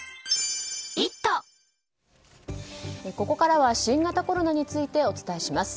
ここからは新型コロナについてお伝えします。